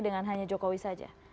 dengan hanya jokowi saja